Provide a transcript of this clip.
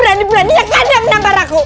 berani berani yang kadang menampar aku